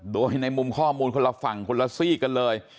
โดยในมุมข้อมูลคนละฝั่งคนละซี่กันเลย